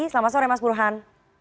selamat sore mas burhan